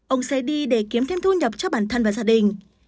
ông sẽ đi để kiếm thêm thu nhập cho bản thân và gia đình